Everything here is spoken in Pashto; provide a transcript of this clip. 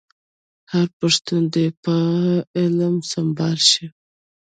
هر پښتون دي په علم سمبال شي.